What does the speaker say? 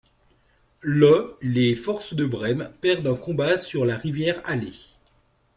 Le les forces de Brême perdent un combat sur la rivière Aller.